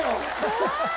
怖い！